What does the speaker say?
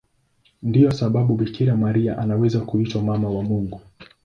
Ndiyo sababu Bikira Maria anaweza kuitwa Mama wa Mungu.